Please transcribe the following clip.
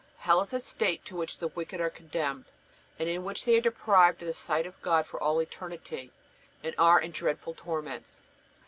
Hell is a state to which the wicked are condemned, and in which they are deprived of the sight of God for all eternity, and are in dreadful torments.